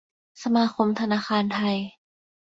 สมาคมธนาคารไทย